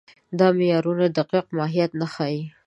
دا معیارونه دقیق ماهیت نه ښيي.